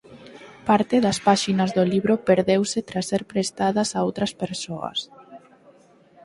Parte das páxinas do libro perdeuse tras ser prestadas a outras persoas.